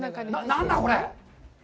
何だ、これ！？